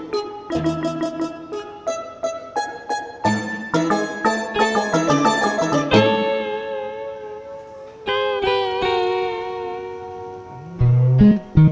bikin kamu tambah parah tidak sembuh sembuh